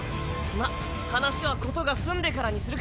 まっ話は事が済んでからにするか。